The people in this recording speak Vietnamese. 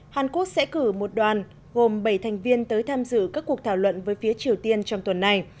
hàn quốc sẽ cử một đoàn gồm bảy thành viên tới tham dự các cuộc thảo luận với phía triều tiên trong tuần này